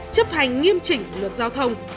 chấp hành nghiêm chỉnh luật giao thông